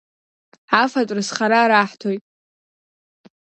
Афатә рызхара раҳҭоит.